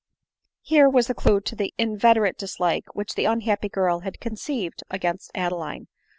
?" Here was the clue to the inveterate dislike which this unhappy girl had conceived against Adeline.